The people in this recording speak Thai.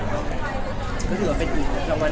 ก็ถือว่าเป็นรางวัลหนึ่งของนาขีรู้สึกยังไงครับ